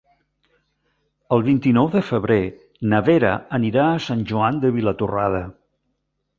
El vint-i-nou de febrer na Vera anirà a Sant Joan de Vilatorrada.